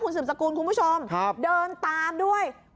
คุณสึบสกูลคุณผู้ชมเดินตามด้วยครับ